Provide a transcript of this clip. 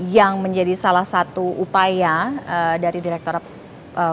yang menjadi salah satu upaya dari direktur pad